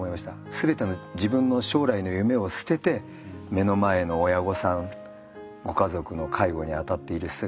全ての自分の将来の夢を捨てて目の前の親御さんご家族の介護にあたっている姿がね